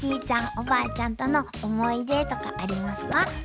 おばあちゃんとの思い出とかありますか？